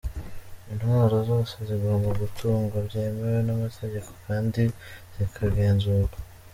Intwaro zose zigomba gutungwa byemewe n’amategeko kandi zikagenzurwa.